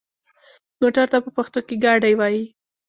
موټر ته په پښتو کې ګاډی وايي.